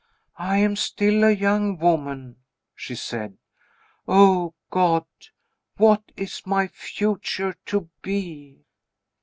"I am still a young woman," she said. "Oh, God, what is my future to be?"